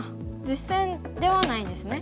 実戦ではないんですね。